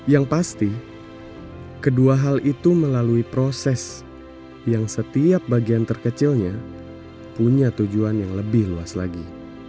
yang pasti kedua hal itu melalui proses yang setiap bagian terkecilnya punya tujuan yang lebih luas lagi